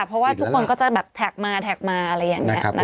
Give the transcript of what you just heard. เพราะว่าทุกคนก็จะแบบแท็กมาแท็กมาอะไรอย่างนี้